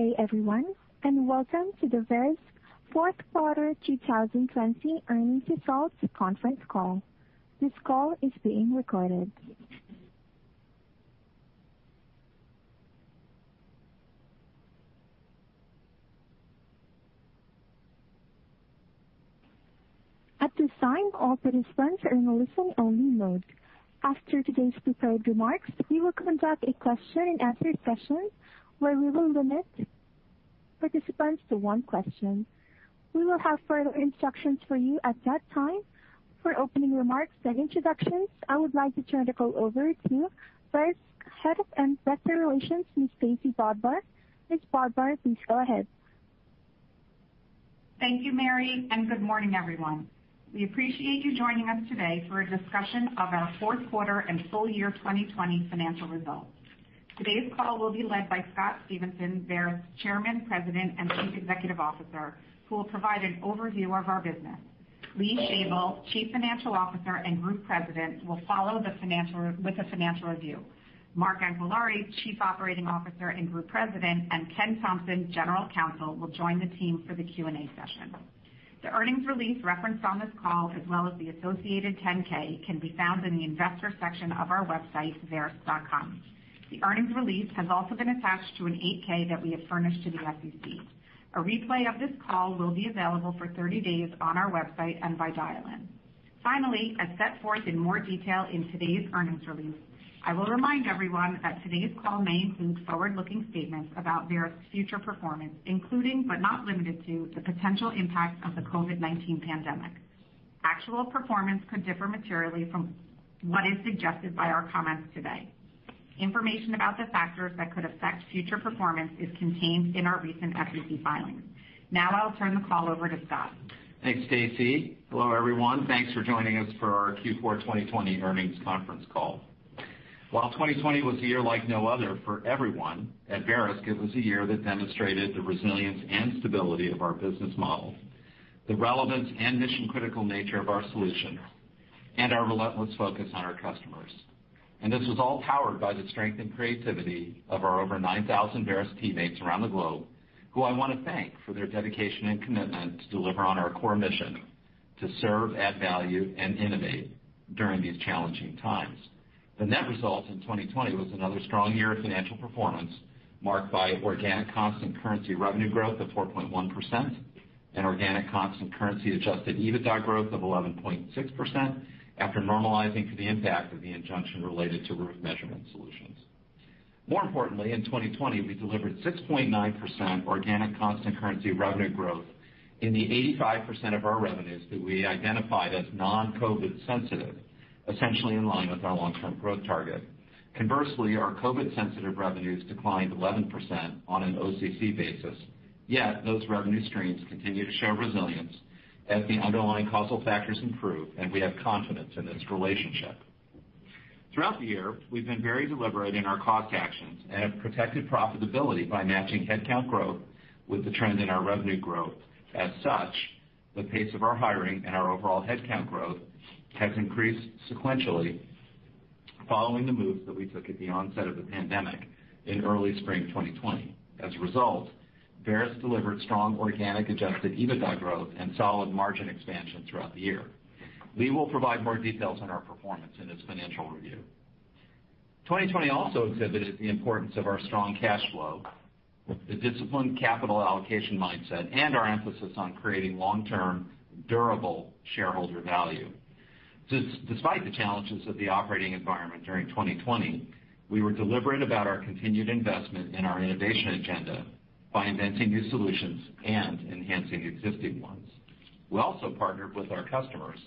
Good day, everyone, and welcome to the Verisk Fourth Quarter 2020 Earnings Results Conference Call. This call is being recorded. At this time, all participants are in a listen-only mode. After today's prepared remarks, we will conduct a question-and-answer session where we will limit participants to one question. We will have further instructions for you at that time. For opening remarks and introductions, I would like to turn the call over to Verisk's Head of Investor Relations, Ms. Stacey Brodbar. Ms. Brodbar, please go ahead. Thank you, Mary, and good morning, everyone. We appreciate you joining us today for a discussion of our fourth quarter and full year 2020 financial results. Today's call will be led by Scott Stephenson, Verisk's Chairman, President, and Chief Executive Officer, who will provide an overview of our business. Lee Shavel, Chief Financial Officer and Group President, will follow with a financial review. Mark Anquillare, Chief Operating Officer and Group President, and Ken Thompson, General Counsel, will join the team for the Q&A session. The earnings release referenced on this call, as well as the associated 10-K, can be found in the investor section of our website, verisk.com. The earnings release has also been attached to an 8-K that we have furnished to the SEC. A replay of this call will be available for 30 days on our website and by dial-in. Finally, as set forth in more detail in today's earnings release, I will remind everyone that today's call may include forward-looking statements about Verisk's future performance, including, but not limited to, the potential impacts of the COVID-19 pandemic. Actual performance could differ materially from what is suggested by our comments today. Information about the factors that could affect future performance is contained in our recent SEC filings. Now I'll turn the call over to Scott. Thanks, Stacey. Hello, everyone. Thanks for joining us for our Q4 2020 earnings conference call. While 2020 was a year like no other for everyone at Verisk, it was a year that demonstrated the resilience and stability of our business model, the relevance and mission-critical nature of our solution, and our relentless focus on our customers. And this was all powered by the strength and creativity of our over 9,000 Verisk teammates around the globe, who I want to thank for their dedication and commitment to deliver on our core mission to serve, add value, and innovate during these challenging times. The net result in 2020 was another strong year of financial performance, marked by organic constant currency revenue growth of 4.1%, and organic constant currency-adjusted EBITDA growth of 11.6% after normalizing for the impact of the injunction related to roof measurement solutions. More importantly, in 2020, we delivered 6.9% organic constant currency revenue growth in the 85% of our revenues that we identified as non-COVID sensitive, essentially in line with our long-term growth target. Conversely, our COVID-sensitive revenues declined 11% on an OCC basis, yet those revenue streams continue to show resilience as the underlying causal factors improve, and we have confidence in this relationship. Throughout the year, we've been very deliberate in our cost actions and have protected profitability by matching headcount growth with the trend in our revenue growth. As such, the pace of our hiring and our overall headcount growth has increased sequentially following the moves that we took at the onset of the pandemic in early spring 2020. As a result, Verisk delivered strong organic-adjusted EBITDA growth and solid margin expansion throughout the year. Lee will provide more details on our performance in his financial review. 2020 also exhibited the importance of our strong cash flow, the disciplined capital allocation mindset, and our emphasis on creating long-term, durable shareholder value. Despite the challenges of the operating environment during 2020, we were deliberate about our continued investment in our innovation agenda by inventing new solutions and enhancing existing ones. We also partnered with our customers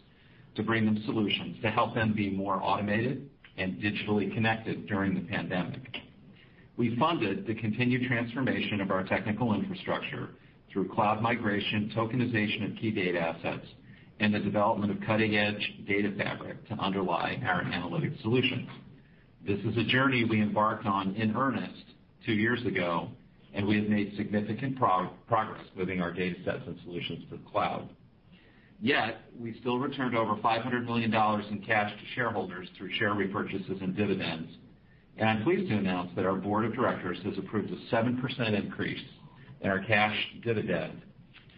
to bring them solutions to help them be more automated and digitally connected during the pandemic. We funded the continued transformation of our technical infrastructure through cloud migration, tokenization of key data assets, and the development of cutting-edge data fabric to underlie our analytic solutions. This is a journey we embarked on in earnest two years ago, and we have made significant progress moving our data sets and solutions to the cloud. Yet, we still returned over $500 million in cash to shareholders through share repurchases and dividends. And I'm pleased to announce that our board of directors has approved a 7% increase in our cash dividend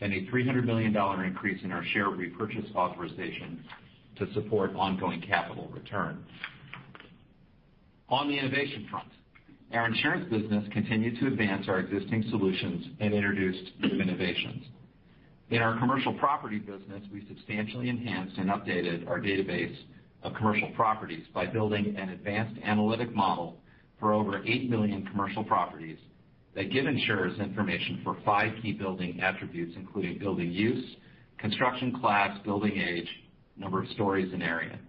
and a $300 million increase in our share repurchase authorization to support ongoing capital return. On the innovation front, our insurance business continued to advance our existing solutions and introduced new innovations. In our commercial property business, we substantially enhanced and updated our database of commercial properties by building an advanced analytic model for over eight million commercial properties that give insurers information for five key building attributes, including building use, construction class, building age, number of stories, and area.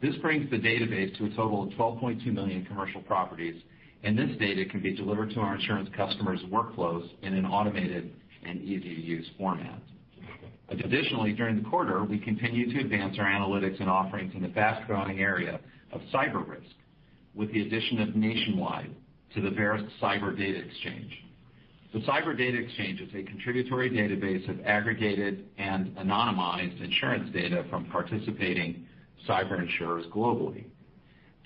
This brings the database to a total of 12.2 million commercial properties, and this data can be delivered to our insurance customers' workflows in an automated and easy-to-use format. Additionally, during the quarter, we continue to advance our analytics and offerings in the fast-growing area of cyber risk with the addition of Nationwide to the Verisk Cyber Data Exchange. The Cyber Data Exchange is a contributory database of aggregated and anonymized insurance data from participating cyber insurers globally.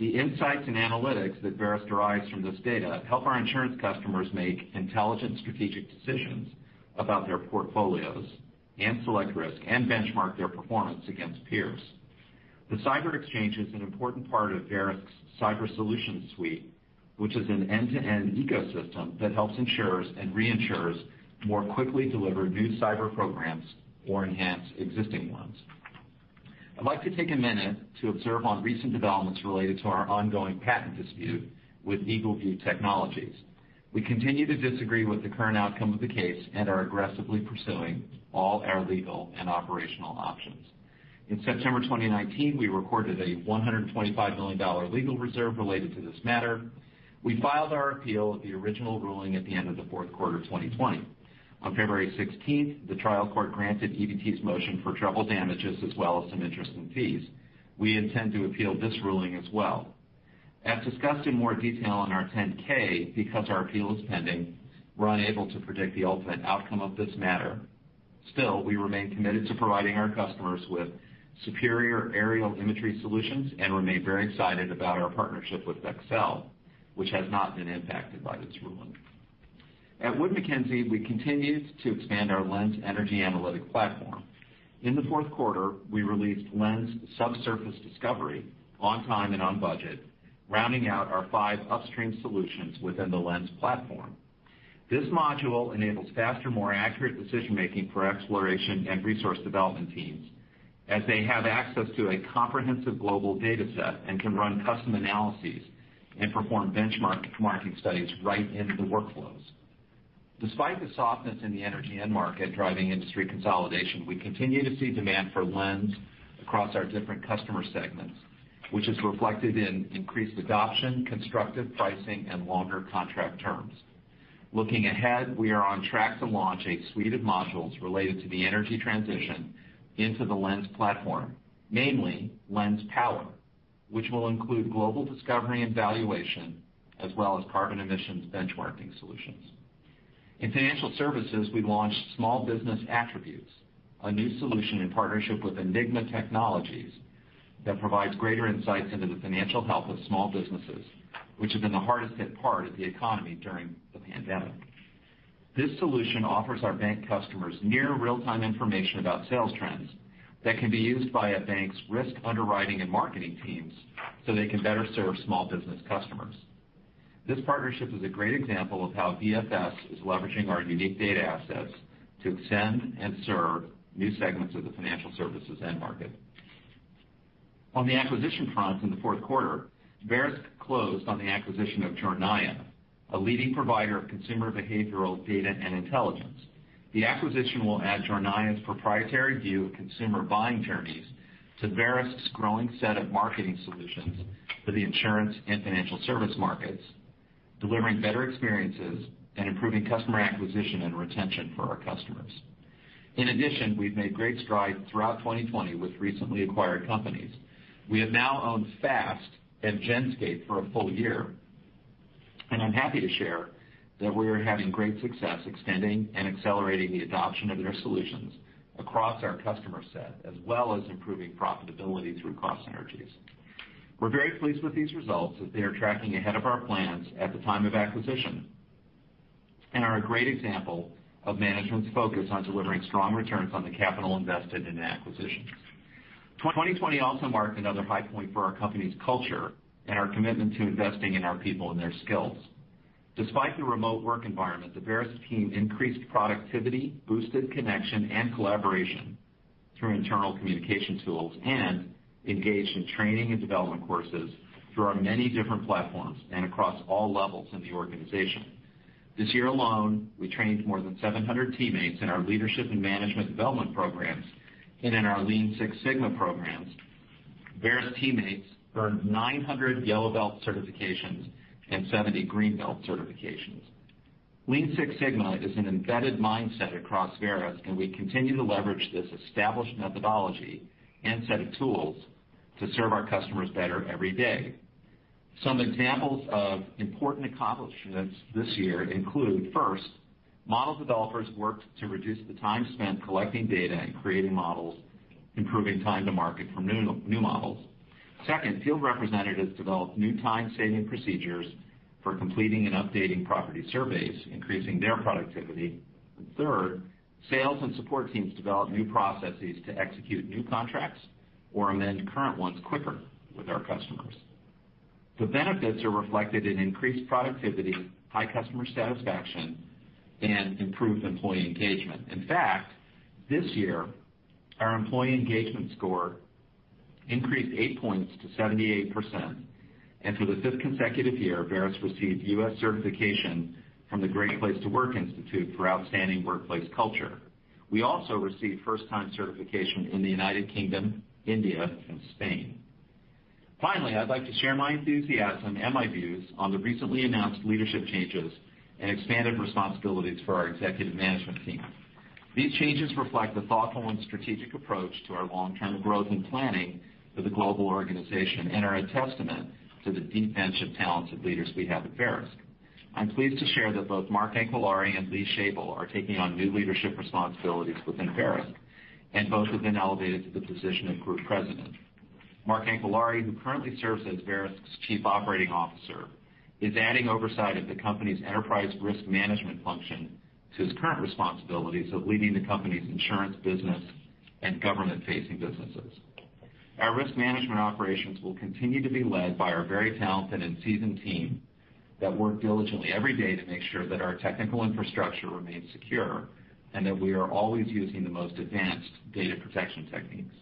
The insights and analytics that Verisk derives from this data help our insurance customers make intelligent strategic decisions about their portfolios and select risk and benchmark their performance against peers. The Cyber Exchange is an important part of Verisk's Cyber Solutions Suite, which is an end-to-end ecosystem that helps insurers and reinsurers more quickly deliver new cyber programs or enhance existing ones. I'd like to take a minute to observe on recent developments related to our ongoing patent dispute with EagleView Technologies. We continue to disagree with the current outcome of the case and are aggressively pursuing all our legal and operational options. In September 2019, we recorded a $125 million legal reserve related to this matter. We filed our appeal of the original ruling at the end of the fourth quarter 2020. On February 16th, the trial court granted EagleView's motion for treble damages as well as some interest and fees. We intend to appeal this ruling as well. As discussed in more detail in our 10-K, because our appeal is pending, we're unable to predict the ultimate outcome of this matter. Still, we remain committed to providing our customers with superior aerial imagery solutions and remain very excited about our partnership with Vexcel Imaging, which has not been impacted by this ruling. At Wood Mackenzie, we continued to expand our LENS energy analytic platform. In the fourth quarter, we released LENS Subsurface Discovery on time and on budget, rounding out our five upstream solutions within the LENS platform. This module enables faster, more accurate decision-making for exploration and resource development teams as they have access to a comprehensive global data set and can run custom analyses and perform benchmarking studies right into the workflows. Despite the softness in the energy end market driving industry consolidation, we continue to see demand for LENS across our different customer segments, which is reflected in increased adoption, constructive pricing, and longer contract terms. Looking ahead, we are on track to launch a suite of modules related to the energy transition into the LENS platform, namely LENS Power, which will include global discovery and valuation as well as carbon emissions benchmarking solutions. In financial services, we launched Small Business Attributes, a new solution in partnership with Enigma Technologies that provides greater insights into the financial health of small businesses, which have been the hardest hit part of the economy during the pandemic. This solution offers our bank customers near real-time information about sales trends that can be used by a bank's risk underwriting and marketing teams so they can better serve small business customers. This partnership is a great example of how VFS is leveraging our unique data assets to extend and serve new segments of the financial services end market. On the acquisition front, in the fourth quarter, Verisk closed on the acquisition of Jornaya, a leading provider of consumer behavioral data and intelligence. The acquisition will add Jornaya's proprietary view of consumer buying journeys to Verisk's growing set of marketing solutions for the insurance and financial services markets, delivering better experiences and improving customer acquisition and retention for our customers. In addition, we've made great strides throughout 2020 with recently acquired companies. We have now owned FAST and Genscape for a full year, and I'm happy to share that we are having great success extending and accelerating the adoption of their solutions across our customer set, as well as improving profitability through cost synergies. We're very pleased with these results as they are tracking ahead of our plans at the time of acquisition and are a great example of management's focus on delivering strong returns on the capital invested in acquisitions. 2020 also marked another high point for our company's culture and our commitment to investing in our people and their skills. Despite the remote work environment, the Verisk team increased productivity, boosted connection, and collaboration through internal communication tools, and engaged in training and development courses through our many different platforms and across all levels in the organization. This year alone, we trained more than 700 teammates in our leadership and management development programs and in our Lean Six Sigma programs. Verisk teammates earned 900 yellow belt certifications and 70 green belt certifications. Lean Six Sigma is an embedded mindset across Verisk, and we continue to leverage this established methodology and set of tools to serve our customers better every day. Some examples of important accomplishments this year include, first, model developers worked to reduce the time spent collecting data and creating models, improving time to market for new models. Second, field representatives developed new time-saving procedures for completing and updating property surveys, increasing their productivity. Third, sales and support teams developed new processes to execute new contracts or amend current ones quicker with our customers. The benefits are reflected in increased productivity, high customer satisfaction, and improved employee engagement. In fact, this year, our employee engagement score increased eight points to 78%. And for the fifth consecutive year, Verisk received U.S. certification from the Great Place to Work Institute for outstanding workplace culture. We also received first-time certification in the United Kingdom, India, and Spain. Finally, I'd like to share my enthusiasm and my views on the recently announced leadership changes and expanded responsibilities for our executive management team. These changes reflect a thoughtful and strategic approach to our long-term growth and planning for the global organization and are a testament to the deep bench of talented leaders we have at Verisk. I'm pleased to share that both Mark Anquillare and Lee Shavel are taking on new leadership responsibilities within Verisk, and both have been elevated to the position of Group President. Mark Anquillare, who currently serves as Verisk's Chief Operating Officer, is adding oversight of the company's enterprise risk management function to his current responsibilities of leading the company's insurance business and government-facing businesses. Our risk management operations will continue to be led by our very talented and seasoned team that work diligently every day to make sure that our technical infrastructure remains secure and that we are always using the most advanced data protection techniques.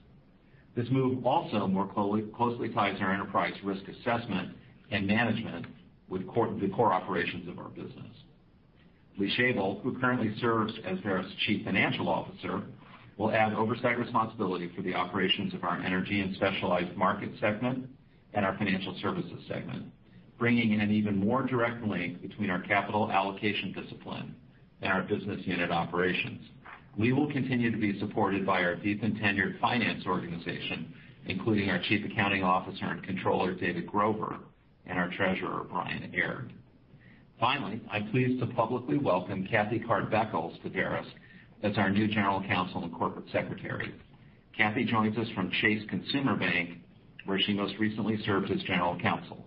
This move also more closely ties our enterprise risk assessment and management with the core operations of our business. Lee Shavel, who currently serves as Verisk's Chief Financial Officer, will add oversight responsibility for the operations of our energy and specialized market segment and our financial services segment, bringing in an even more direct link between our capital allocation discipline and our business unit operations. We will continue to be supported by our deep and tenured finance organization, including our Chief Accounting Officer and Controller, David Grover, and our treasurer, Brian Aaron. Finally, I'm pleased to publicly welcome Kathy Card Beckles to Verisk as our new General Counsel and Corporate Secretary. Kathy joins us from Chase Consumer Bank, where she most recently served as General Counsel.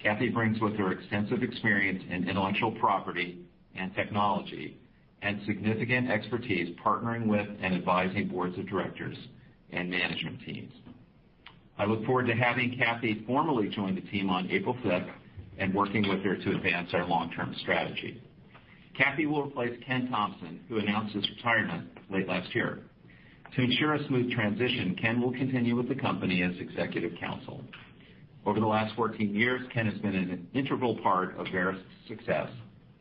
Kathy brings with her extensive experience in intellectual property and technology and significant expertise partnering with and advising boards of directors and management teams. I look forward to having Kathy formally join the team on April 5th and working with her to advance our long-term strategy. Kathy will replace Ken Thompson, who announced his retirement late last year. To ensure a smooth transition, Ken will continue with the company as executive counsel. Over the last 14 years, Ken has been an integral part of Verisk's success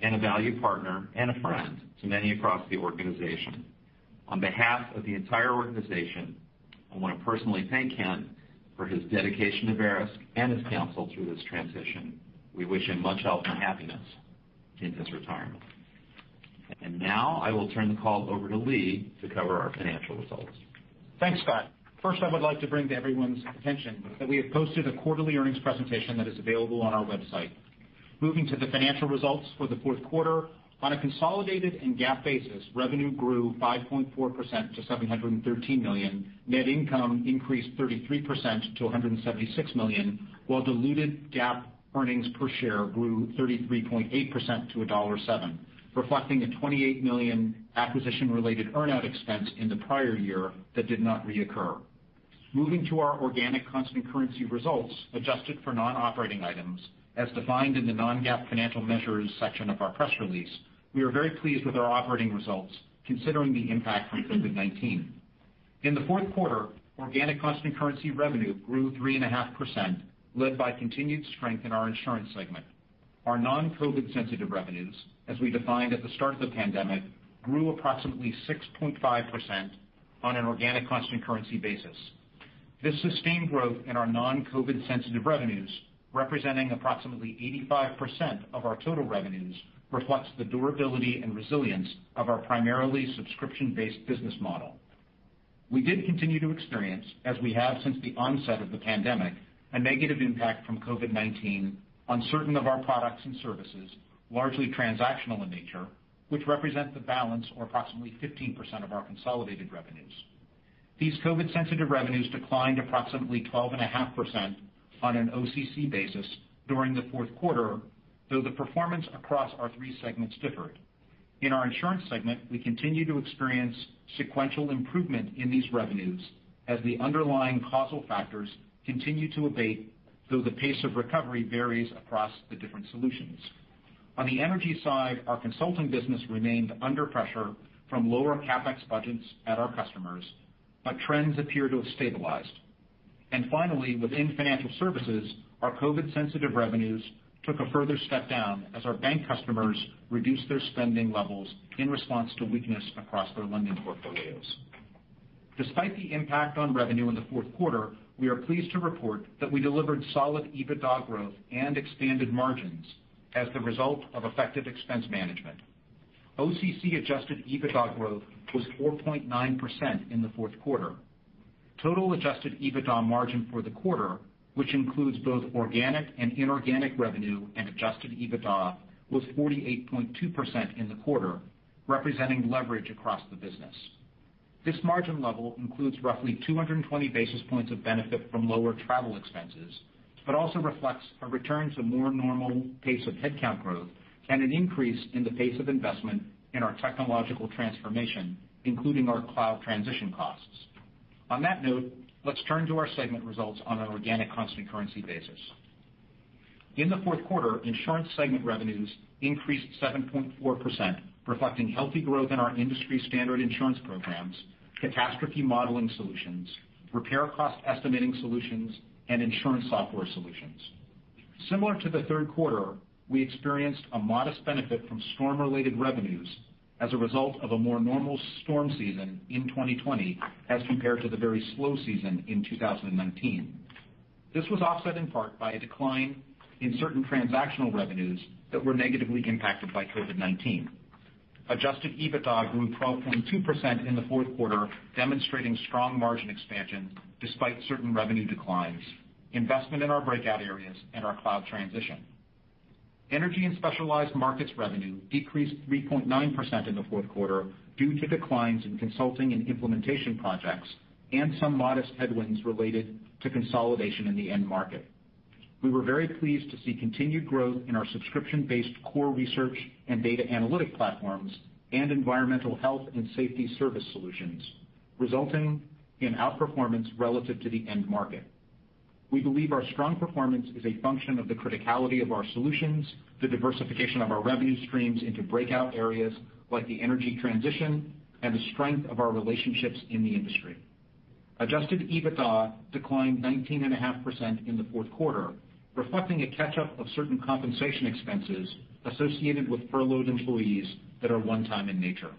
and a valued partner and a friend to many across the organization. On behalf of the entire organization, I want to personally thank Ken for his dedication to Verisk and his counsel through this transition. We wish him much health and happiness in his retirement, and now I will turn the call over to Lee to cover our financial results. Thanks, Scott. First, I would like to bring to everyone's attention that we have posted a quarterly earnings presentation that is available on our website. Moving to the financial results for the fourth quarter, on a consolidated and GAAP basis, revenue grew 5.4% to $713 million. Net income increased 33% to $176 million, while diluted GAAP earnings per share grew 33.8% to $1.07, reflecting a $28 million acquisition-related earn-out expense in the prior year that did not reoccur. Moving to our organic constant currency results, adjusted for non-operating items as defined in the non-GAAP financial measures section of our press release, we are very pleased with our operating results considering the impact from COVID-19. In the fourth quarter, organic constant currency revenue grew 3.5%, led by continued strength in our insurance segment. Our non-COVID sensitive revenues, as we defined at the start of the pandemic, grew approximately 6.5% on an organic constant currency basis. This sustained growth in our non-COVID sensitive revenues, representing approximately 85% of our total revenues, reflects the durability and resilience of our primarily subscription-based business model. We did continue to experience, as we have since the onset of the pandemic, a negative impact from COVID-19 on certain of our products and services, largely transactional in nature, which represent the balance or approximately 15% of our consolidated revenues. These COVID sensitive revenues declined approximately 12.5% on an OCC basis during the fourth quarter, though the performance across our three segments differed. In our insurance segment, we continue to experience sequential improvement in these revenues as the underlying causal factors continue to abate, though the pace of recovery varies across the different solutions. On the energy side, our consulting business remained under pressure from lower CapEx budgets at our customers, but trends appear to have stabilized, and finally, within financial services, our COVID sensitive revenues took a further step down as our bank customers reduced their spending levels in response to weakness across their lending portfolios. Despite the impact on revenue in the fourth quarter, we are pleased to report that we delivered solid EBITDA growth and expanded margins as the result of effective expense management. OCC adjusted EBITDA growth was 4.9% in the fourth quarter. Total adjusted EBITDA margin for the quarter, which includes both organic and inorganic revenue and adjusted EBITDA, was 48.2% in the quarter, representing leverage across the business. This margin level includes roughly 220 basis points of benefit from lower travel expenses, but also reflects a return to more normal pace of headcount growth and an increase in the pace of investment in our technological transformation, including our cloud transition costs. On that note, let's turn to our segment results on an organic constant currency basis. In the fourth quarter, insurance segment revenues increased 7.4%, reflecting healthy growth in our industry standard insurance programs, catastrophe modeling solutions, repair cost estimating solutions, and insurance software solutions. Similar to the third quarter, we experienced a modest benefit from storm-related revenues as a result of a more normal storm season in 2020 as compared to the very slow season in 2019. This was offset in part by a decline in certain transactional revenues that were negatively impacted by COVID-19. Adjusted EBITDA grew 12.2% in the fourth quarter, demonstrating strong margin expansion despite certain revenue declines, investment in our breakout areas, and our cloud transition. Energy and specialized markets revenue decreased 3.9% in the fourth quarter due to declines in consulting and implementation projects and some modest headwinds related to consolidation in the end market. We were very pleased to see continued growth in our subscription-based core research and data analytic platforms and environmental health and safety service solutions, resulting in outperformance relative to the end market. We believe our strong performance is a function of the criticality of our solutions, the diversification of our revenue streams into breakout areas like the energy transition, and the strength of our relationships in the industry. Adjusted EBITDA declined 19.5% in the fourth quarter, reflecting a catch-up of certain compensation expenses associated with furloughed employees that are one-time in nature.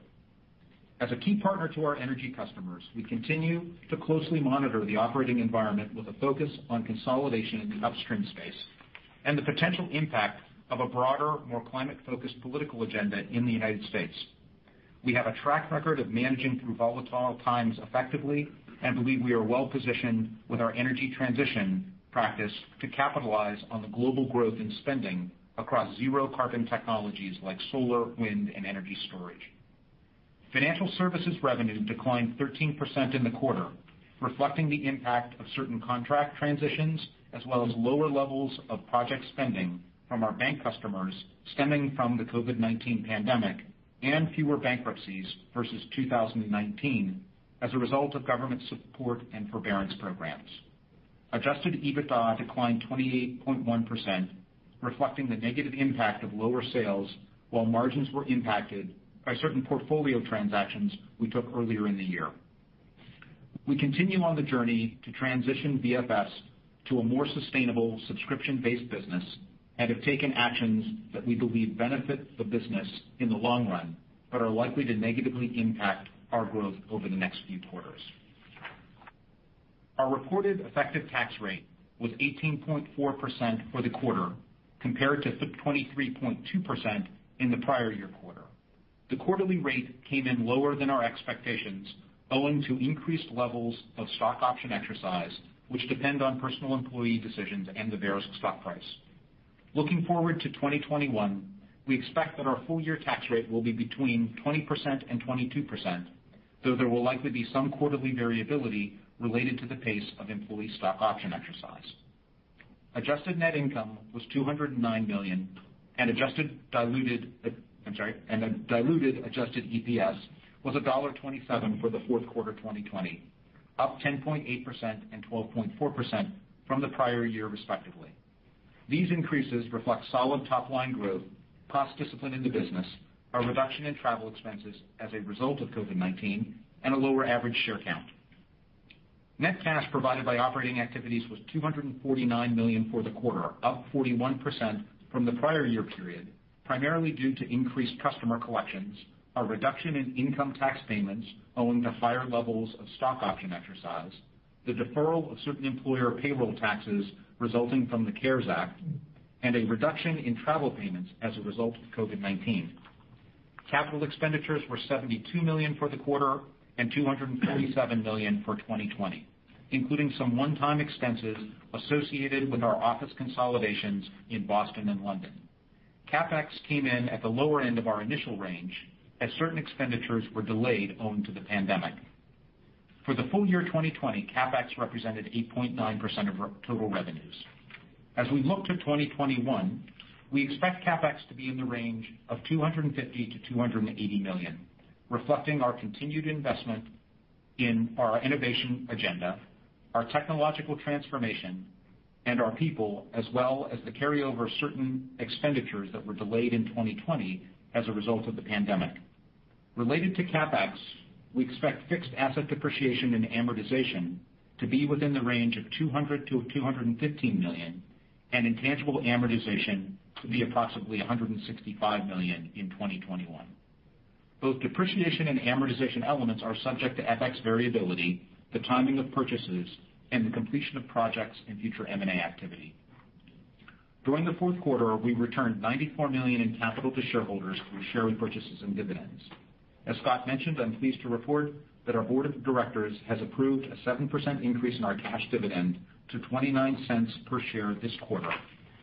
As a key partner to our energy customers, we continue to closely monitor the operating environment with a focus on consolidation in the upstream space and the potential impact of a broader, more climate-focused political agenda in the United States. We have a track record of managing through volatile times effectively and believe we are well-positioned with our energy transition practice to capitalize on the global growth in spending across zero-carbon technologies like solar, wind, and energy storage. Financial services revenue declined 13% in the quarter, reflecting the impact of certain contract transitions as well as lower levels of project spending from our bank customers stemming from the COVID-19 pandemic and fewer bankruptcies versus 2019 as a result of government support and forbearance programs. Adjusted EBITDA declined 28.1%, reflecting the negative impact of lower sales while margins were impacted by certain portfolio transactions we took earlier in the year. We continue on the journey to transition VFS to a more sustainable subscription-based business and have taken actions that we believe benefit the business in the long run but are likely to negatively impact our growth over the next few quarters. Our reported effective tax rate was 18.4% for the quarter compared to 23.2% in the prior year quarter. The quarterly rate came in lower than our expectations, owing to increased levels of stock option exercise, which depend on personal employee decisions and the Verisk stock price. Looking forward to 2021, we expect that our full-year tax rate will be between 20% and 22%, though there will likely be some quarterly variability related to the pace of employee stock option exercise. Adjusted net income was $209 million, and adjusted diluted EPS was $1.27 for the fourth quarter 2020, up 10.8% and 12.4% from the prior year, respectively. These increases reflect solid top-line growth, cost discipline in the business, a reduction in travel expenses as a result of COVID-19, and a lower average share count. Net cash provided by operating activities was $249 million for the quarter, up 41% from the prior year period, primarily due to increased customer collections, a reduction in income tax payments owing to higher levels of stock option exercise, the deferral of certain employer payroll taxes resulting from the CARES Act, and a reduction in travel payments as a result of COVID-19. Capital expenditures were $72 million for the quarter and $247 million for 2020, including some one-time expenses associated with our office consolidations in Boston and London. CapEx came in at the lower end of our initial range as certain expenditures were delayed owing to the pandemic. For the full year 2020, CapEx represented 8.9% of total revenues. As we look to 2021, we expect CapEx to be in the range of $250 million-$280 million, reflecting our continued investment in our innovation agenda, our technological transformation, and our people, as well as the carryover of certain expenditures that were delayed in 2020 as a result of the pandemic. Related to CapEx, we expect fixed asset depreciation and amortization to be within the range of $200 million-$215 million and intangible amortization to be approximately $165 million in 2021. Both depreciation and amortization elements are subject to FX variability, the timing of purchases, and the completion of projects and future M&A activity. During the fourth quarter, we returned $94 million in capital to shareholders through share repurchases and dividends. As Scott mentioned, I'm pleased to report that our board of directors has approved a 7% increase in our cash dividend to $0.29 per share this quarter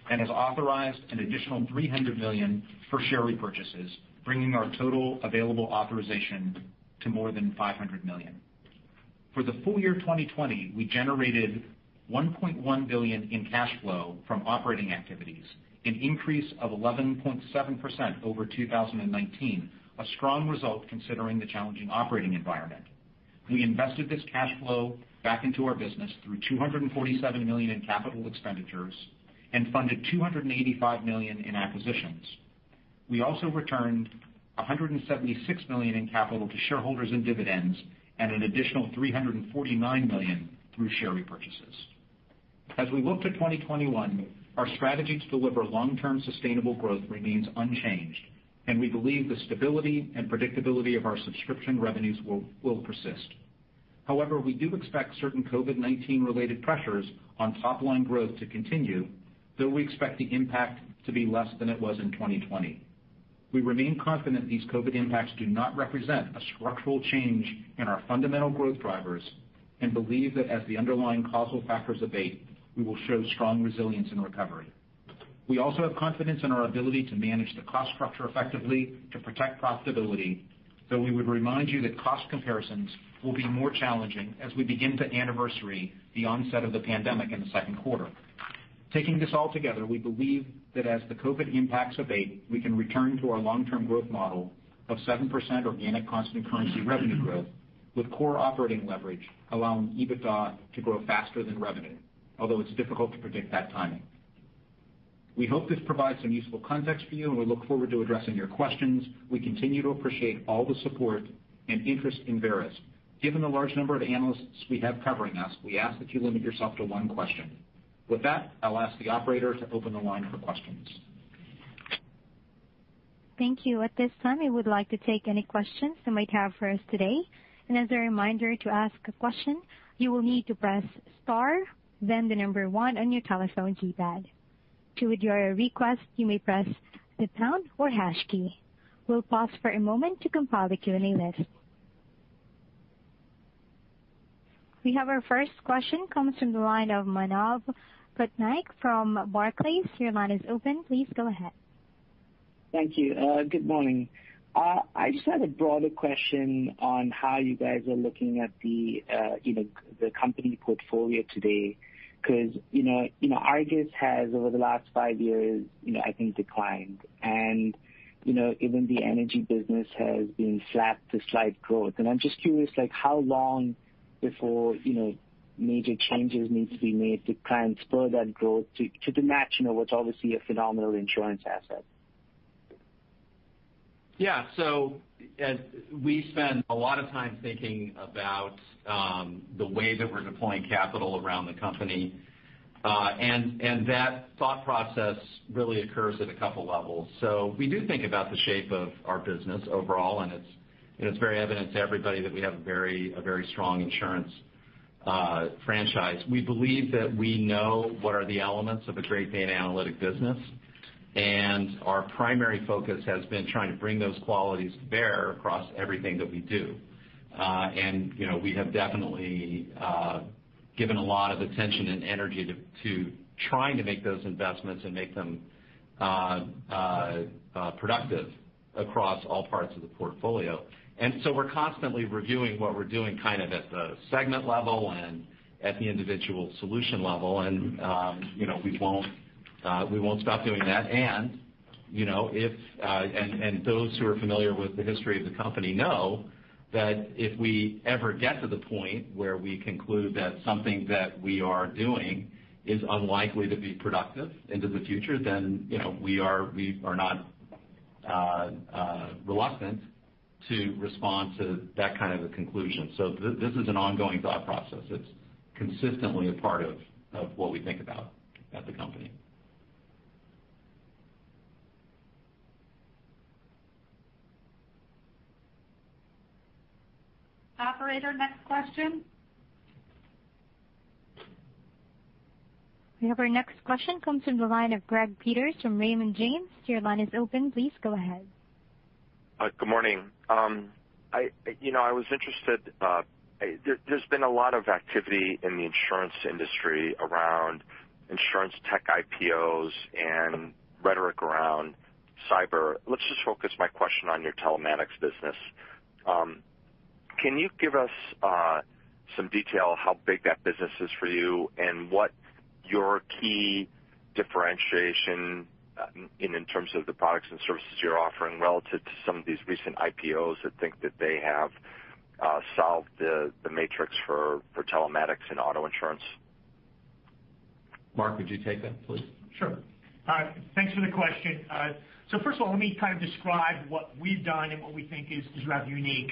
and has authorized an additional $300 million for share repurchases, bringing our total available authorization to more than $500 million. For the full year 2020, we generated $1.1 billion in cash flow from operating activities, an increase of 11.7% over 2019, a strong result considering the challenging operating environment. We invested this cash flow back into our business through $247 million in capital expenditures and funded $285 million in acquisitions. We also returned $176 million in capital to shareholders and dividends and an additional $349 million through share repurchases. As we look to 2021, our strategy to deliver long-term sustainable growth remains unchanged, and we believe the stability and predictability of our subscription revenues will persist. However, we do expect certain COVID-19-related pressures on top-line growth to continue, though we expect the impact to be less than it was in 2020. We remain confident these COVID impacts do not represent a structural change in our fundamental growth drivers and believe that as the underlying causal factors abate, we will show strong resilience and recovery. We also have confidence in our ability to manage the cost structure effectively to protect profitability, though we would remind you that cost comparisons will be more challenging as we begin to anniversary the onset of the pandemic in the second quarter. Taking this all together, we believe that as the COVID impacts abate, we can return to our long-term growth model of 7% organic constant currency revenue growth with core operating leverage, allowing EBITDA to grow faster than revenue, although it's difficult to predict that timing. We hope this provides some useful context for you, and we look forward to addressing your questions. We continue to appreciate all the support and interest in Verisk. Given the large number of analysts we have covering us, we ask that you limit yourself to one question. With that, I'll ask the operator to open the line for questions. Thank you. At this time, I would like to take any questions you might have for us today. And as a reminder to ask a question, you will need to press star, then the number one on your telephone keypad. To withdraw your request, you may press the pound or hash key. We'll pause for a moment to compile the Q&A list. We have our first question coming from the line of Manav Patnaik from Barclays. Your line is open. Please go ahead. Thank you. Good morning. I just have a broader question on how you guys are looking at the company portfolio today because Argus has, over the last five years, I think, declined. And even the energy business has been flat to slight growth. And I'm just curious how long before major changes need to be made to transfer that growth to the matching of what's obviously a phenomenal insurance asset. Yeah, so we spend a lot of time thinking about the way that we're deploying capital around the company. And that thought process really occurs at a couple of levels. So we do think about the shape of our business overall, and it's very evident to everybody that we have a very strong insurance franchise. We believe that we know what are the elements of a great analytics business, and our primary focus has been trying to bring those qualities to bear across everything that we do. And we have definitely given a lot of attention and energy to trying to make those investments and make them productive across all parts of the portfolio. And so we're constantly reviewing what we're doing kind of at the segment level and at the individual solution level. And we won't stop doing that. And those who are familiar with the history of the company know that if we ever get to the point where we conclude that something that we are doing is unlikely to be productive into the future, then we are not reluctant to respond to that kind of a conclusion. So this is an ongoing thought process. It's consistently a part of what we think about at the company. Operator, next question. Our next question comes from the line of Greg Peters from Raymond James. Your line is open. Please go ahead. Good morning. I was interested. There's been a lot of activity in the insurance industry around insurance tech IPOs and rhetoric around cyber. Let's just focus my question on your telematics business. Can you give us some detail how big that business is for you and what your key differentiation in terms of the products and services you're offering relative to some of these recent IPOs that think that they have solved the matrix for telematics and auto insurance? Mark, would you take that, please? Sure. Thanks for the question. So first of all, let me kind of describe what we've done and what we think is rather unique.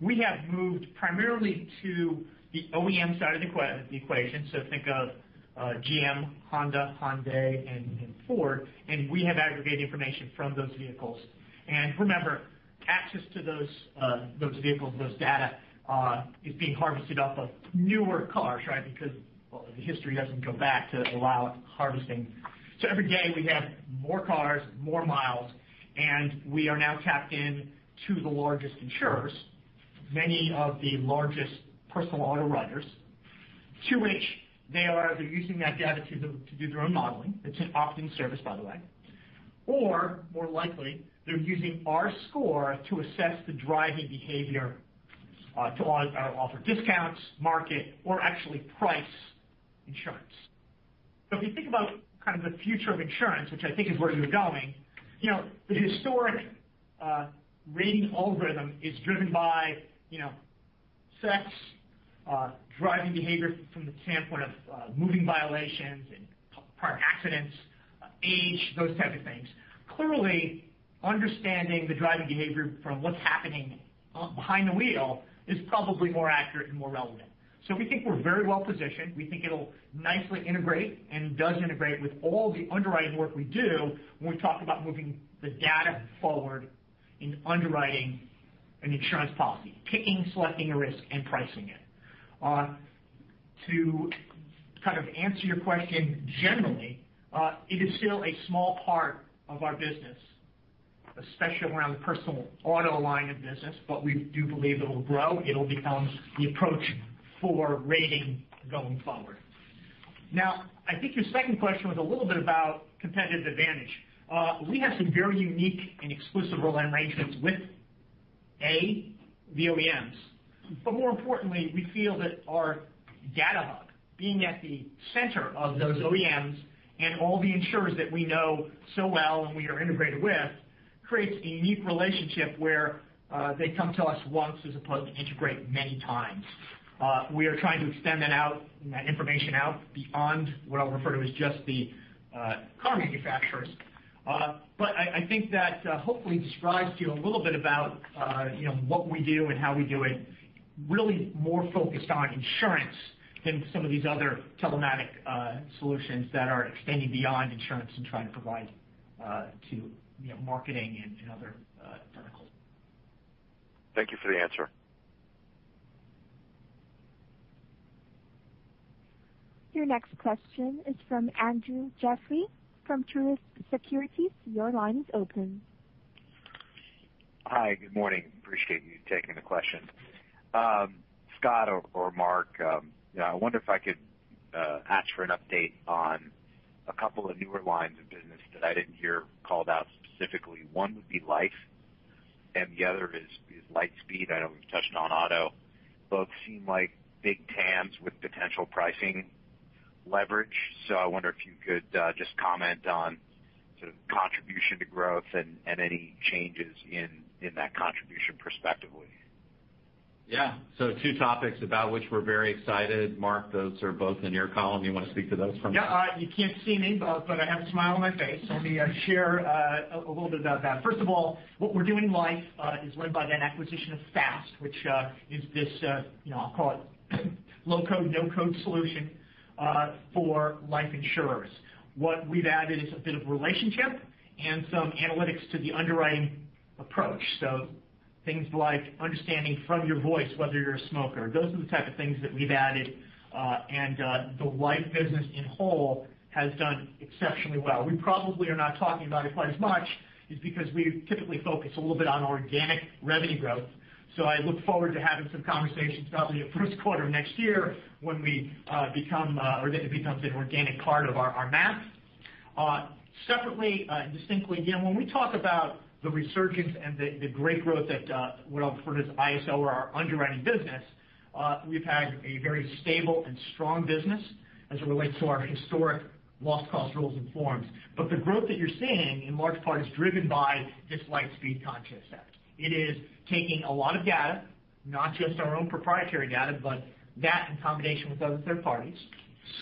We have moved primarily to the OEM side of the equation, so think of GM, Honda, Hyundai, and Ford. We have aggregated information from those vehicles. Remember, access to those vehicles, those data is being harvested off of newer cars, right, because the history doesn't go back to allow harvesting. Every day, we have more cars, more miles, and we are now tapped into the largest insurers, many of the largest personal auto writers, to which they are using that data to do their own modeling. It's an opt-in service, by the way. Or more likely, they're using our score to assess the driving behavior to offer discounts, market, or actually price insurance. So if you think about kind of the future of insurance, which I think is where you're going, the historic rating algorithm is driven by sex, driving behavior from the standpoint of moving violations and prior accidents, age, those types of things. Clearly, understanding the driving behavior from what's happening behind the wheel is probably more accurate and more relevant. So we think we're very well positioned. We think it'll nicely integrate and does integrate with all the underwriting work we do when we talk about moving the data forward in underwriting an insurance policy, picking, selecting a risk, and pricing it. To kind of answer your question generally, it is still a small part of our business, especially around the personal auto line of business, but we do believe it will grow. It'll become the approach for rating going forward. Now, I think your second question was a little bit about competitive advantage. We have some very unique and exclusive role arrangements with, A, the OEMs. But more importantly, we feel that our data hub, being at the center of those OEMs and all the insurers that we know so well and we are integrated with, creates a unique relationship where they come to us once as opposed to integrate many times. We are trying to extend that information out beyond what I'll refer to as just the car manufacturers. But I think that hopefully describes to you a little bit about what we do and how we do it, really more focused on insurance than some of these other telematics solutions that are extending beyond insurance and trying to provide to marketing and other verticals. Thank you for the answer. Your next question is from Andrew Jeffrey from Truist Securities. Your line is open. Hi. Good morning. Appreciate you taking the question. Scott or Mark, I wonder if I could ask for an update on a couple of newer lines of business that I didn't hear called out specifically. One would be LIFE, and the other is LIGHTSPEED. I know we've touched on auto. Both seem like big TAMs with potential pricing leverage. So I wonder if you could just comment on sort of contribution to growth and any changes in that contribution prospectively. Yeah. So two topics about which we're very excited. Mark, those are both in your column. You want to speak to those from? Yeah. You can't see me, but I have a smile on my face. Let me share a little bit about that. First of all, what we're doing in LIFE is led by an acquisition of FAST, which is this, I'll call it, low-code, no-code solution for life insurers. What we've added is a bit of relationship and some analytics to the underwriting approach. So things like understanding from your voice whether you're a smoker. Those are the type of things that we've added, and the LIFE business in whole has done exceptionally well. We probably are not talking about it quite as much because we typically focus a little bit on organic revenue growth. So I look forward to having some conversations probably in the first quarter of next year when we become or that it becomes an organic part of our map. Separately and distinctly, when we talk about the resurgence and the great growth that what I'll refer to as ISO or our underwriting business, we've had a very stable and strong business as it relates to our historic loss cost rules and forms. But the growth that you're seeing, in large part, is driven by this LightSpeed contract. It is taking a lot of data, not just our own proprietary data, but that in combination with other third parties,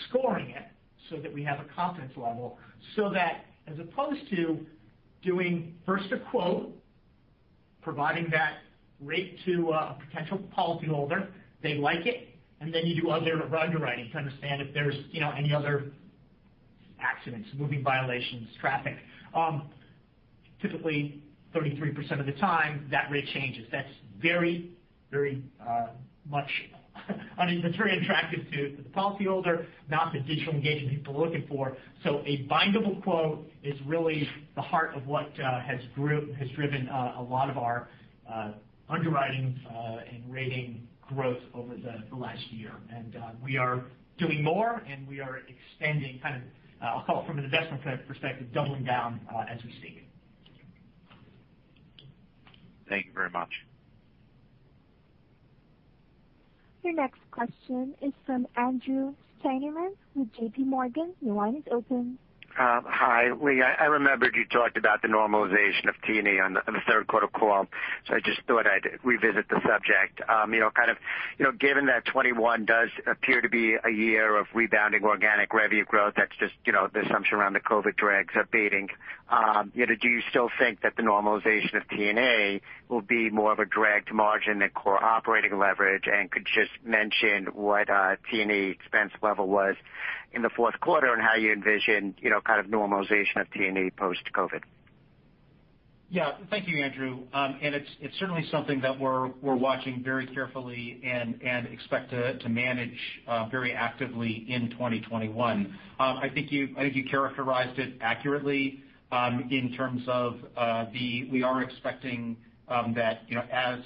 scoring it so that we have a confidence level so that as opposed to doing first a quote, providing that rate to a potential policyholder, they like it, and then you do other underwriting to understand if there's any other accidents, moving violations, traffic. Typically, 33% of the time, that rate changes. That's very, very much not very attractive to the policyholder, not the digital engagement people are looking for. A bindable quote is really the heart of what has driven a lot of our underwriting and rating growth over the last year. And we are doing more, and we are extending kind of. I'll call it from an investment perspective, doubling down as we speak. Thank you very much. Your next question is from Andrew Steinerman with JPMorgan. Your line is open. Hi. I remembered you talked about the normalization of T&E on the third quarter call. So I just thought I'd revisit the subject. Kind of given that 2021 does appear to be a year of rebounding organic revenue growth, that's just the assumption around the COVID drags abating. Do you still think that the normalization of T&A will be more of a drag to margin than core operating leverage, and could you just mention what T&A expense level was in the fourth quarter and how you envision kind of normalization of T&A post-COVID? Yeah. Thank you, Andrew. And it's certainly something that we're watching very carefully and expect to manage very actively in 2021. I think you characterized it accurately in terms of we are expecting that as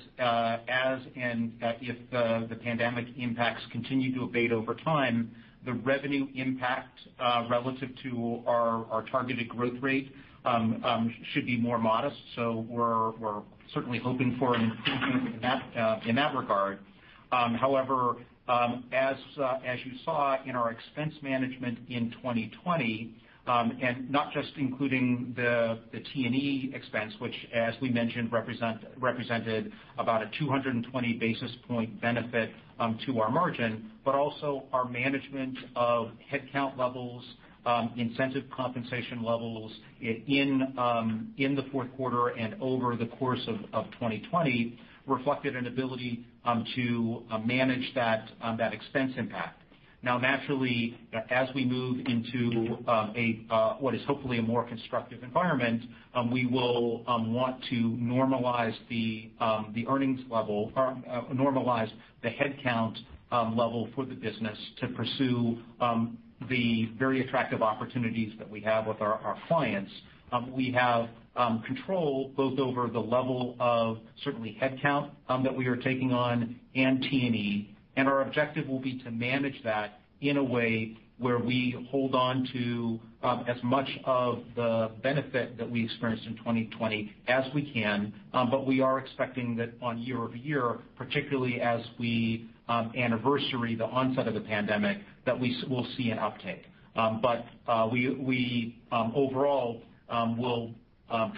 and if the pandemic impacts continue to abate over time, the revenue impact relative to our targeted growth rate should be more modest. So we're certainly hoping for an improvement in that regard. However, as you saw in our expense management in 2020, and not just including the T&A expense, which, as we mentioned, represented about a 220 basis points benefit to our margin, but also our management of headcount levels, incentive compensation levels in the fourth quarter and over the course of 2020 reflected an ability to manage that expense impact. Now, naturally, as we move into what is hopefully a more constructive environment, we will want to normalize the earnings level or normalize the headcount level for the business to pursue the very attractive opportunities that we have with our clients. We have control both over the level of certainly, headcount that we are taking on and T&A, and our objective will be to manage that in a way where we hold on to as much of the benefit that we experienced in 2020 as we can. But we are expecting that on year over year, particularly as we anniversaried the onset of the pandemic, that we will see an uptake. But we overall will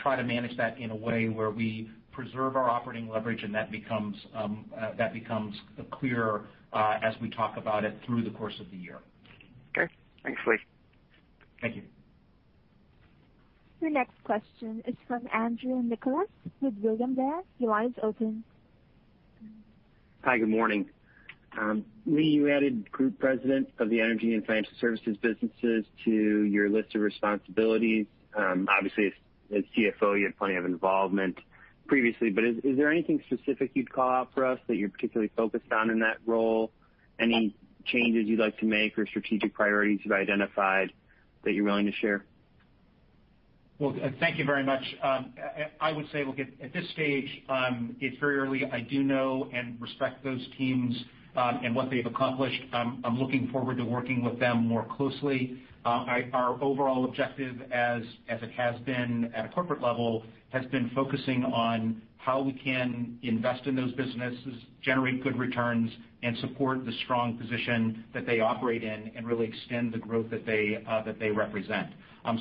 try to manage that in a way where we preserve our operating leverage and that becomes clearer as we talk about it through the course of the year. Okay. Thanks, Lee. Thank you. Your next question is from Andrew Nicholas with William Blair. Your line is open. Hi. Good morning. Lee, you added Group President of the Energy and Financial Services businesses to your list of responsibilities. Obviously, as CFO, you had plenty of involvement previously. But is there anything specific you'd call out for us that you're particularly focused on in that role? Any changes you'd like to make or strategic priorities you've identified that you're willing to share? Well, thank you very much. I would say look at this stage, it's very early. I do know and respect those teams and what they've accomplished. I'm looking forward to working with them more closely. Our overall objective, as it has been at a corporate level, has been focusing on how we can invest in those businesses, generate good returns, and support the strong position that they operate in and really extend the growth that they represent.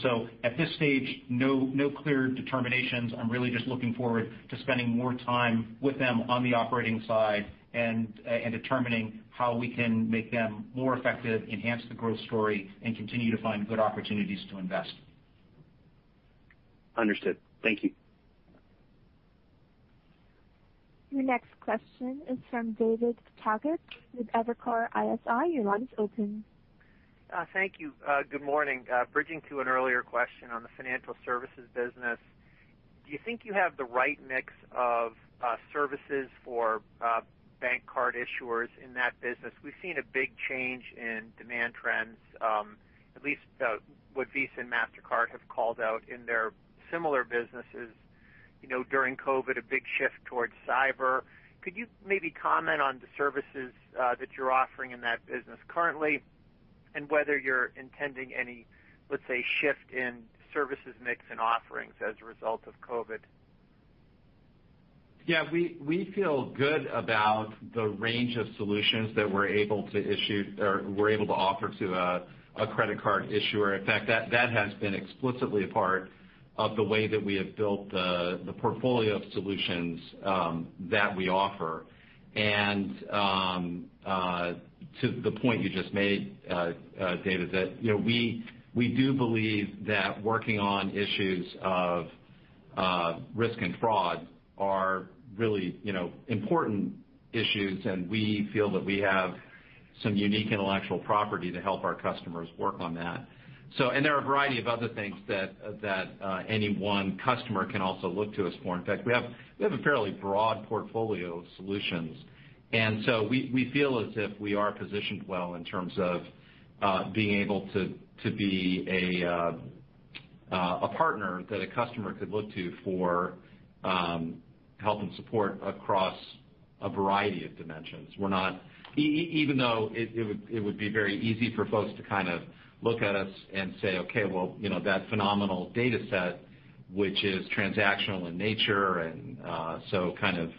So at this stage, no clear determinations. I'm really just looking forward to spending more time with them on the operating side and determining how we can make them more effective, enhance the growth story, and continue to find good opportunities to invest. Understood. Thank you. Your next question is from David Togut with Evercore ISI. Your line is open. Thank you. Good morning. Bridging to an earlier question on the financial services business, do you think you have the right mix of services for bank card issuers in that business? We've seen a big change in demand trends, at least what Visa and Mastercard have called out in their similar businesses during COVID, a big shift towards cyber. Could you maybe comment on the services that you're offering in that business currently and whether you're intending any, let's say, shift in services mix and offerings as a result of COVID? Yeah. We feel good about the range of solutions that we're able to issue or we're able to offer to a credit card issuer. In fact, that has been explicitly a part of the way that we have built the portfolio of solutions that we offer. To the point you just made, David, that we do believe that working on issues of risk and fraud are really important issues, and we feel that we have some unique intellectual property to help our customers work on that. And there are a variety of other things that any one customer can also look to us for. In fact, we have a fairly broad portfolio of solutions. And so we feel as if we are positioned well in terms of being able to be a partner that a customer could look to for help and support across a variety of dimensions. Even though it would be very easy for folks to kind of look at us and say, "Okay, well, that phenomenal data set, which is transactional in nature," and so kind of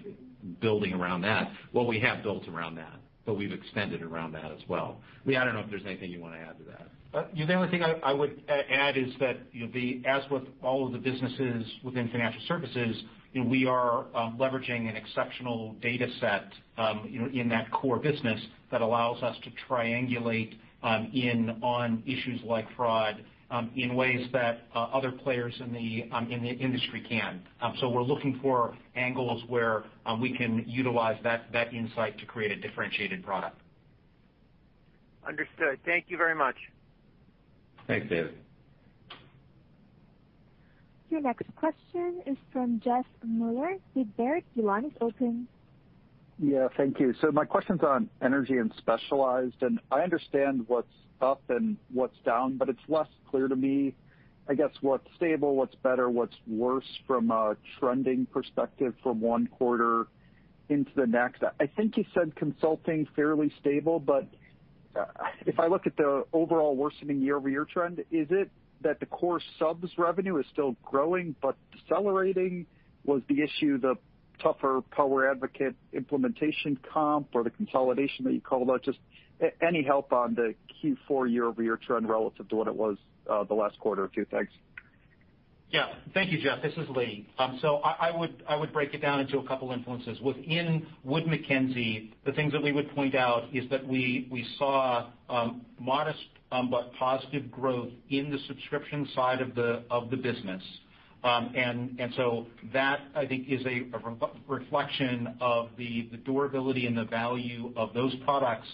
building around that. Well, we have built around that, but we've expanded around that as well. Lee, I don't know if there's anything you want to add to that. The only thing I would add is that, as with all of the businesses within financial services, we are leveraging an exceptional data set in that core business that allows us to triangulate in on issues like fraud in ways that other players in the industry can. So we're looking for angles where we can utilize that insight to create a differentiated product. Understood. Thank you very much. Thanks, David. Your next question is from Jeff Meuler with Baird. Your line is open. Yeah. Thank you. So my questions on energy and specialized. And I understand what's up and what's down, but it's less clear to me, I guess, what's stable, what's better, what's worse from a trending perspective from one quarter into the next. I think you said consulting fairly stable, but if I look at the overall worsening year-over-year trend, is it that the core subs revenue is still growing but decelerating? Was the issue the tougher PowerAdvocate implementation comp or the consolidation that you called out? Just any help on the Q4 year-over-year trend relative to what it was the last quarter? A few things. Yeah. Thank you, Jeff. This is Lee. So I would break it down into a couple of influences. Within Wood Mackenzie, the things that we would point out is that we saw modest but positive growth in the subscription side of the business. And so that, I think, is a reflection of the durability and the value of those products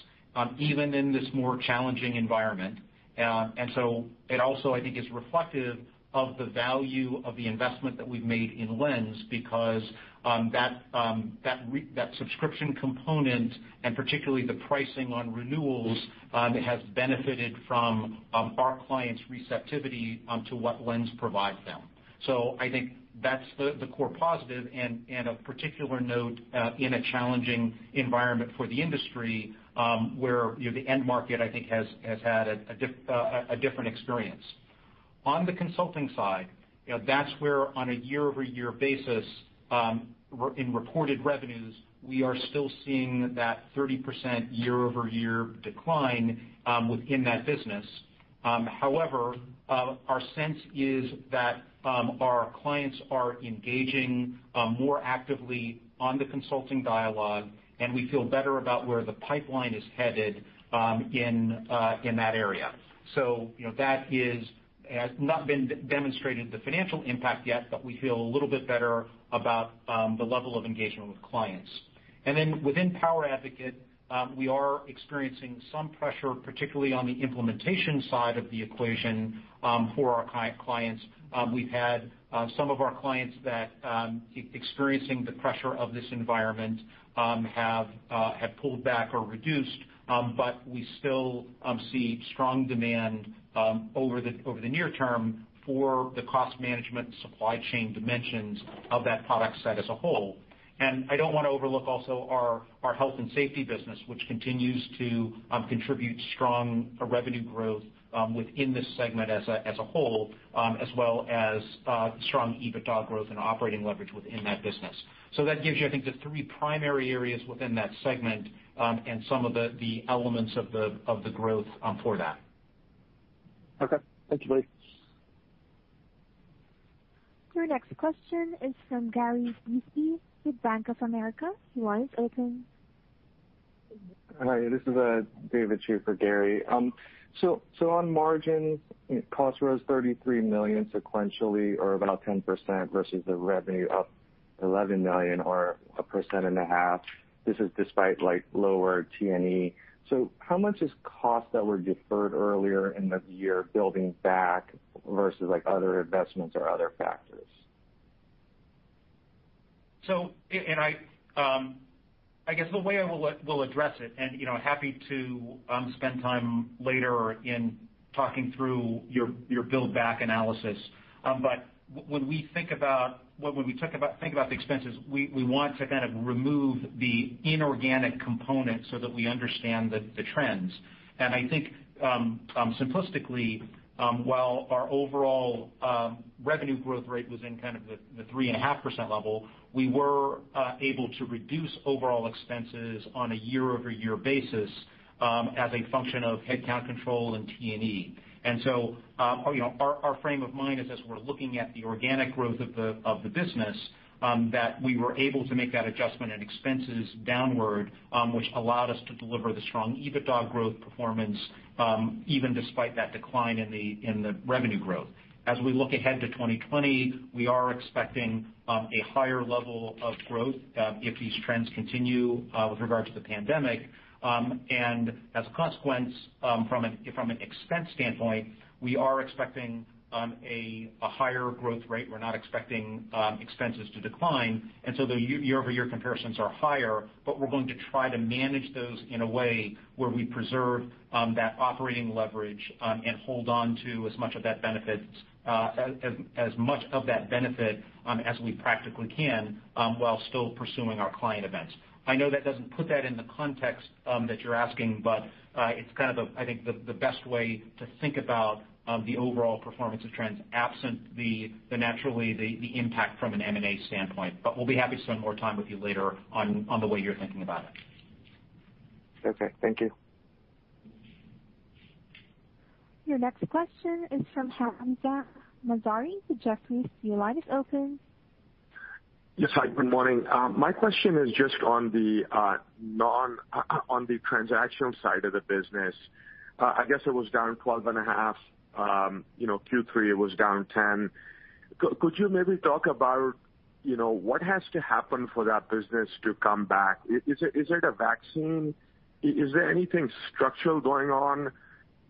even in this more challenging environment. And so it also, I think, is reflective of the value of the investment that we've made in LENS because that subscription component and particularly the pricing on renewals has benefited from our clients' receptivity to what LENS provides them. So I think that's the core positive. And a particular note in a challenging environment for the industry where the end market, I think, has had a different experience. On the consulting side, that's where on a year-over-year basis in reported revenues, we are still seeing that 30% year-over-year decline within that business. However, our sense is that our clients are engaging more actively on the consulting dialogue, and we feel better about where the pipeline is headed in that area. So that has not been demonstrated the financial impact yet, but we feel a little bit better about the level of engagement with clients. And then within PowerAdvocate, we are experiencing some pressure, particularly on the implementation side of the equation for our clients. We've had some of our clients that, experiencing the pressure of this environment, have pulled back or reduced, but we still see strong demand over the near term for the cost management supply chain dimensions of that product set as a whole. And I don't want to overlook also our health and safety business, which continues to contribute strong revenue growth within this segment as a whole, as well as strong EBITDA growth and operating leverage within that business. So that gives you, I think, the three primary areas within that segment and some of the elements of the growth for that. Okay. Thank you, Lee. Your next question is from Gary Bisbee with Bank of America. Your line is open. Hi. This is David Schafer, Gary. So on margins, cost rose $33 million sequentially or about 10% versus the revenue up $11 million or 1.5%. This is despite lower T&E. So how much is cost that were deferred earlier in the year building back versus other investments or other factors? And I guess the way I will address it, and happy to spend time later in talking through your build-back analysis. But when we think about the expenses, we want to kind of remove the inorganic component so that we understand the trends. I think simplistically, while our overall revenue growth rate was in kind of the 3.5% level, we were able to reduce overall expenses on a year-over-year basis as a function of headcount control and T&E. And so our frame of mind is, as we're looking at the organic growth of the business, that we were able to make that adjustment in expenses downward, which allowed us to deliver the strong EBITDA growth performance even despite that decline in the revenue growth. As we look ahead to 2020, we are expecting a higher level of growth if these trends continue with regard to the pandemic. And as a consequence, from an expense standpoint, we are expecting a higher growth rate. We're not expecting expenses to decline. And so the year-over-year comparisons are higher, but we're going to try to manage those in a way where we preserve that operating leverage and hold on to as much of that benefit as we practically can while still pursuing our client needs. I know that doesn't put that in the context that you're asking, but it's kind of, I think, the best way to think about the overall performance of trends absent the, naturally, impact from an M&A standpoint. But we'll be happy to spend more time with you later on the way you're thinking about it. Okay. Thank you. Your next question is from Hamza Mazari with Jefferies. Your line is open. Yes. Hi. Good morning. My question is just on the transactional side of the business. I guess it was down 12.5%. Q3, it was down 10%. Could you maybe talk about what has to happen for that business to come back? Is it a vaccine? Is there anything structural going on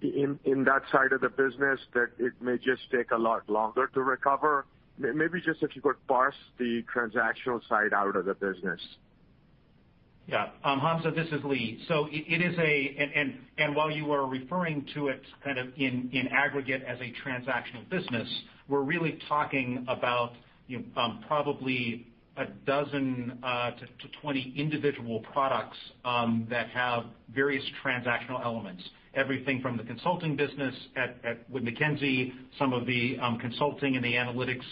in that side of the business that it may just take a lot longer to recover? Maybe just if you could parse the transactional side out of the business. Yeah. Hamza, this is Lee. So it is, and while you are referring to it kind of in aggregate as a transactional business, we're really talking about probably a dozen to 20 individual products that have various transactional elements. Everything from the consulting business at Wood Mackenzie, some of the consulting and the analytics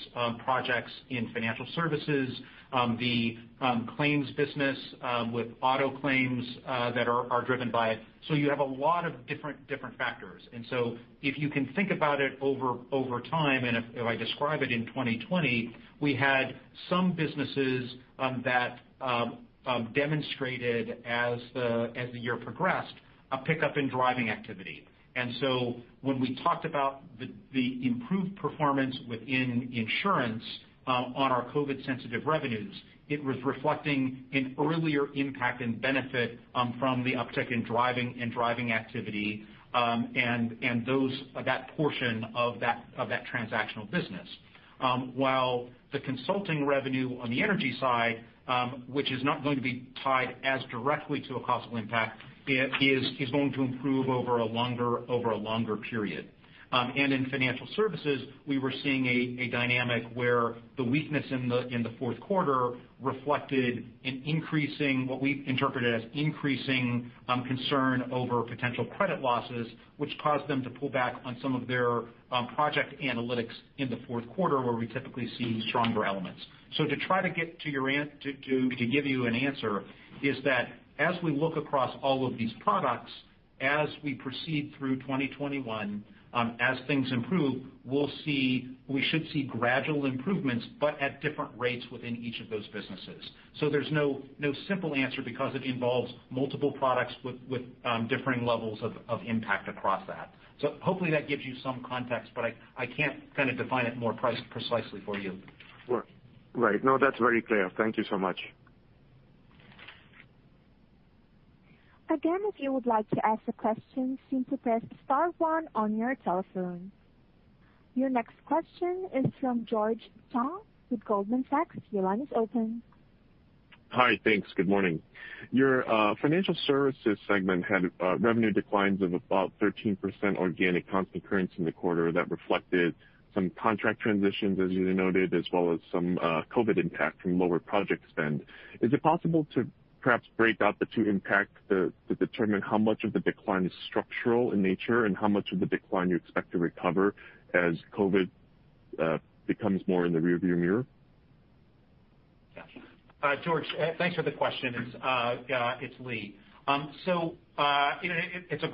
projects in financial services, the claims business with auto claims that are driven by it. So you have a lot of different factors. And so if you can think about it over time, and if I describe it in 2020, we had some businesses that demonstrated, as the year progressed, a pickup in driving activity. And so when we talked about the improved performance within insurance on our COVID-sensitive revenues, it was reflecting an earlier impact and benefit from the uptick in driving activity and that portion of that transactional business. While the consulting revenue on the energy side, which is not going to be tied as directly to a cost impact, is going to improve over a longer period. And in financial services, we were seeing a dynamic where the weakness in the fourth quarter reflected what we interpreted as increasing concern over potential credit losses, which caused them to pull back on some of their project analytics in the fourth quarter where we typically see stronger elements. So to try to get to give you an answer is that as we look across all of these products, as we proceed through 2021, as things improve, we should see gradual improvements, but at different rates within each of those businesses. So there's no simple answer because it involves multiple products with differing levels of impact across that. So hopefully that gives you some context, but I can't kind of define it more precisely for you. Right. No, that's very clear. Thank you so much. Again, if you would like to ask a question, simply press star one on your telephone. Your next question is from George Tong with Goldman Sachs. Your line is open. Hi. Thanks. Good morning. Your financial services segment had revenue declines of about 13% organic constant currency in the quarter that reflected some contract transitions, as you noted, as well as some COVID impact from lower project spend. Is it possible to perhaps break out the two impacts to determine how much of the decline is structural in nature and how much of the decline you expect to recover as COVID becomes more in the rearview mirror? Gotcha. George, thanks for the question. It's Lee. So it's a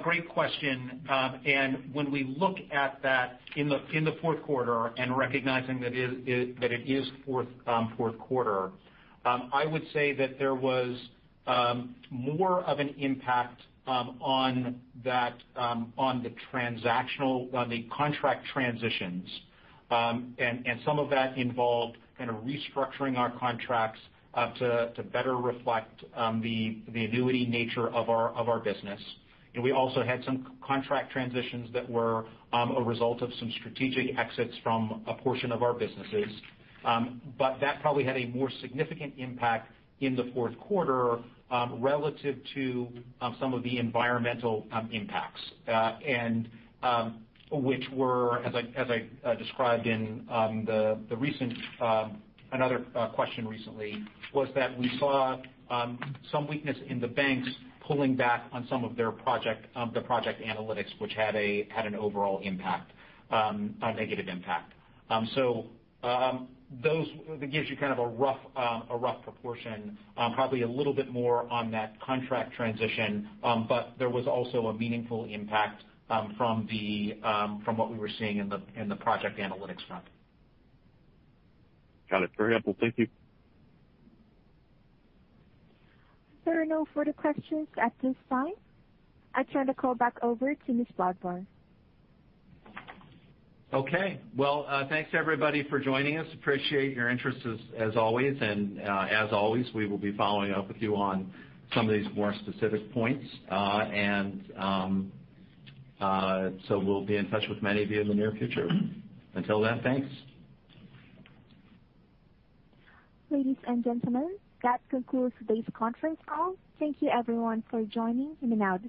great question. And when we look at that in the fourth quarter and recognizing that it is fourth quarter, I would say that there was more of an impact on the contract transitions. And some of that involved kind of restructuring our contracts to better reflect the annuity nature of our business. We also had some contract transitions that were a result of some strategic exits from a portion of our businesses. But that probably had a more significant impact in the fourth quarter relative to some of the environmental impacts, which were, as I described in response to another question recently, that we saw some weakness in the banks pulling back on some of their project analytics, which had an overall impact, a negative impact. So that gives you kind of a rough proportion, probably a little bit more on that contract transition, but there was also a meaningful impact from what we were seeing in the project analytics front. Got it. Very helpful. Thank you. There are no further questions at this time. I turn the call back over to Ms. Brodbar. Okay. Well, thanks everybody for joining us. Appreciate your interest as always. And as always, we will be following up with you on some of these more specific points, and so we'll be in touch with many of you in the near future. Until then, thanks. Ladies and gentlemen, that concludes today's conference call. Thank you, everyone, for joining in and out.